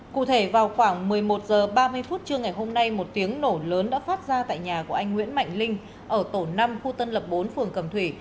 cụ thể vào khoảng một mươi một h ba mươi phút trưa ngày hôm nay một tiếng nổ lớn đã phát ra tại nhà của anh nguyễn mạnh linh ở tổ năm khu tân lập bốn phường cẩm thủy